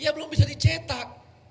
ya belum bisa dicetak